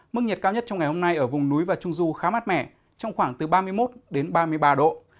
mức nhiệt cao nhất trong ngày hôm nay ở vùng núi và trung du khá mát mẻ trong khoảng từ ba mươi một đến ba mươi ba độ